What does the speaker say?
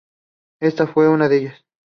Esta fue una de ellas.